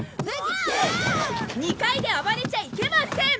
２階で暴れちゃいけません！！